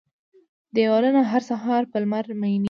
دیوالونه، هر سهار په لمر میینیږې